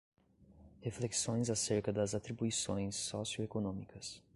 Reflexões acerca das atribulações socioeconômicas